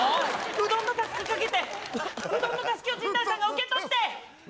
うどんのたすきかけて、うどんのたすきを陣内さんが受け取って。